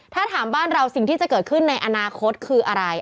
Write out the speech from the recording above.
ถ้าถามบ้านเราสิ่งที่จะเกิดขึ้นในอนาคตคืออะไร